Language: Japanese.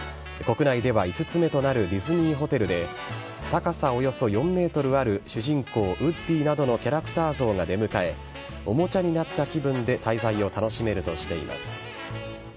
国内では５つ目となるディズニーホテルで、高さおよそ４メートルある主人公、ウッディなどのキャラクター像が出迎え、おもちゃになった気分で、滞在を楽しめるとしています。